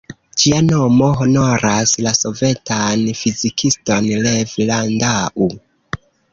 Ĝia nomo honoras la sovetan fizikiston Lev Landau.